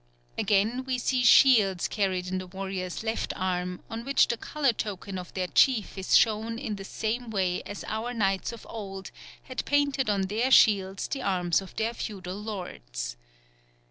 Again, we see shields carried on the warriors' left arm, on which the colour token of their chief is shown in the same way as our knights of old had painted on their shields the arms of their feudal lords.